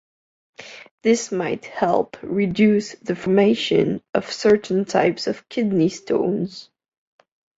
This might help reduce the formation of certain types of kidney stones.